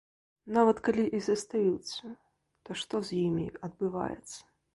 Нават калі і застаюцца, то што з імі адбываецца?